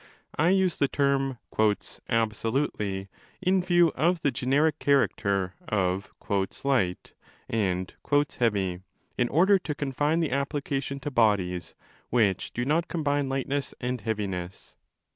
I use the term 'absolutely', in view of the generic character of 'light' and 'heavy'? in order to confine the application to bodies which do not combine lightness and heaviness.